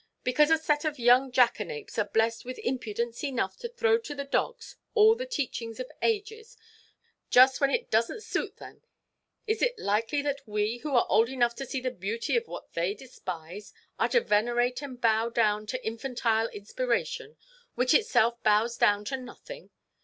Because a set of young jackanapes are blessed with impudence enough to throw to the dogs all the teachings of ages, just when it doesnʼt suit them, is it likely that we, who are old enough to see the beauty of what they despise, are to venerate and bow down to infantile inspiration, which itself bows down to nothing?